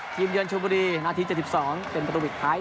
เยือนชมบุรีนาที๗๒เป็นประตูปิดท้าย